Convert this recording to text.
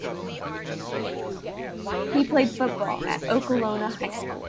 He played football at Okolona High School.